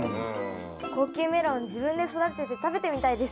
高級メロン自分で育てて食べてみたいです。